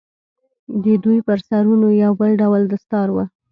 د دوى پر سرونو يو بل ډول دستار و.